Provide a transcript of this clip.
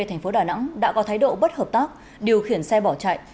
thành phố đà nẵng đã có thái độ bất hợp tác điều khiển xe bỏ chạy